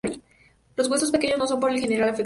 Los huesos pequeños no son, por el general afectados.